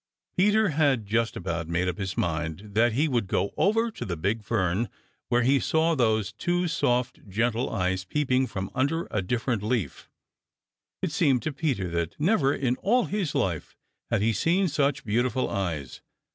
Peter had just about made up his mind that he would go over to the big fern when he saw those two soft, gentle eyes peeping from under a different leaf. It seemed to Peter that never in all his life had he seen such beautiful eyes.